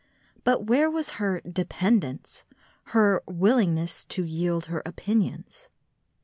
But where was her "dependence," her "willingness to yield her opinions"?